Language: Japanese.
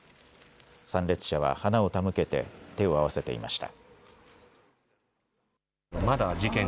参列者は花を手向けて手を合わせていました。